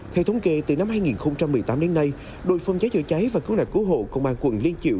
theo thống kê từ năm hai nghìn một mươi tám đến nay đội phân giá chở cháy và cứu nạn cứu hộ công an quận liên triệu